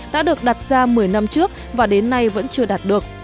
đã được đặt ra một mươi năm trước và đến nay vẫn chưa đạt được